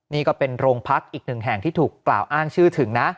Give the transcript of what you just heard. นี่ก็เป็นโรงพักอีกหนึ่งแห่งที่ถูกกล่าวอ้างชื่อถึงนะ